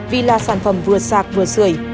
vì là sản phẩm vừa sạc vừa sửa